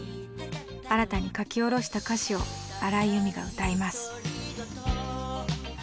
新たに書き下ろした歌詞を荒井由実が歌います。